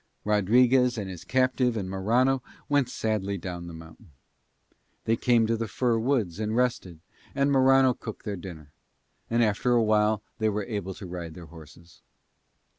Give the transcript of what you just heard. Rodriguez and his captive and Morano went sadly down the mountain. They came to the fir woods, and rested, and Morano cooked their dinner. And after a while they were able to ride their horses.